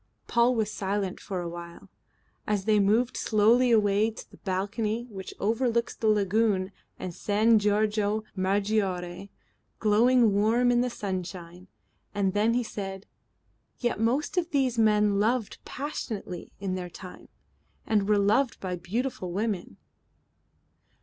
Paul was silent for a while, as they moved slowly away to the balcony which overlooks the lagoon and San Giorgio Maggiore glowing warm in the sunshine, and then he said: "Yet most of those men loved passionately in their time, and were loved by beautiful women."